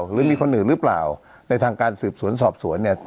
หรือมีคนอื่นหรือเปล่าในทางการสืบสวนสอบสวนเนี่ย